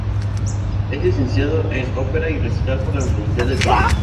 Es licenciada en Ópera y Recital por la Universidad de Viena.